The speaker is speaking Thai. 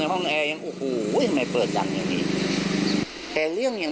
เมื่อนบ้างก็ยืนยันว่ามันเป็นแบบนั้นจริง